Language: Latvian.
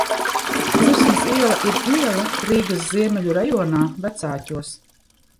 Cirsmas iela ir iela Rīgas Ziemeļu rajonā, Vecāķos.